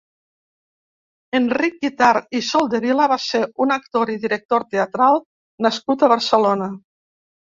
Enric Guitart i Soldevila va ser un actor i director teatral nascut a Barcelona.